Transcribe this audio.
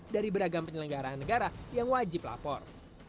dari beragam penyelenggaraan negara yang wajib lapor